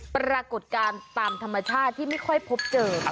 ปรากฏการณ์ตามธรรมชาติที่ไม่ค่อยพบเจอ